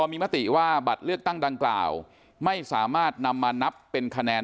มีมติว่าบัตรเลือกตั้งดังกล่าวไม่สามารถนำมานับเป็นคะแนน